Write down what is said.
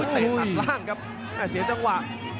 เตะตัดล่างครับแต่เสียจังหวะ